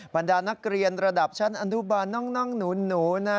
บรรดานักเรียนระดับชั้นอนุบาลน้องหนูนะ